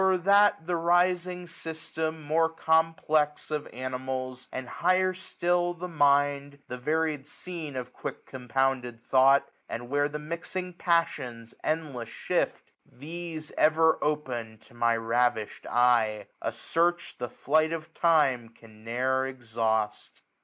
0*er that the rising system, more complex. Of ammals; aad higher still, the caind, 1360 The varied scene of quick compounded thought. And where the mixing passions endless shift ; These ever open to my ravish'd eyej A search, the flight of time can ne'er exhaust.